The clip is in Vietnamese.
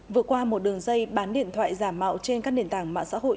vừa qua một đường dây bán điện thoại giả mạo trên các nền tảng mạng xã hội